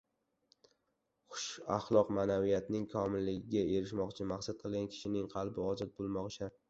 Xushaxloq, ma’naviyatning komilligiga erishmoqni maqsad qilgan kishining qalbi ozod bo‘lmog‘i shart.